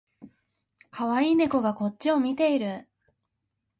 かわいい猫がこっちを見ている